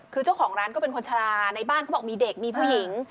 คือเจ้าของร้านก็เป็นคนชะลาในบ้านเขาบอกมีเด็กมีผู้หญิง